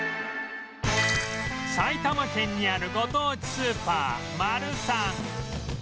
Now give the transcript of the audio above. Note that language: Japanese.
埼玉県にあるご当地スーパーマルサン